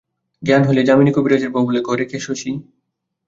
জ্ঞান হইলে যামিনী কবিরাজের বৌ বলে, ঘরে কে, শশী?